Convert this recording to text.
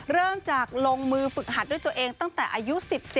เริ่มจากลงมือฝึกหัดด้วยตัวเองตั้งแต่อายุ๑๗